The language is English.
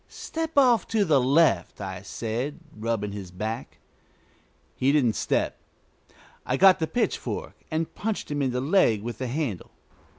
"Step off to the left," I said, rubbing his back. He didn't step. I got the pitchfork and punched him in the leg with the handle.